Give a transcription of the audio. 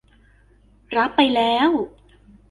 รับไปแล้ว